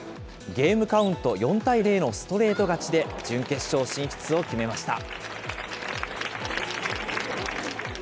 ゲームカウント４対０のストレート勝ちで準決勝進出を決めました。